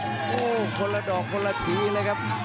โหคนละดอกคนละพี่เลยครับ